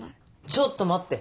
ちょっと待って！